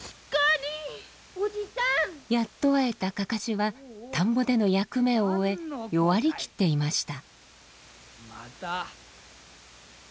やっと会えたかかしは田んぼでの役目を終え弱り切っていました。